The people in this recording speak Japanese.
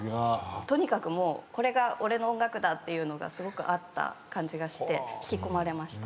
とにかくこれが俺の音楽だっていうのがすごくあった感じがして引き込まれました。